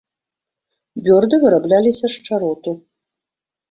Бёрды вырабляліся з чароту.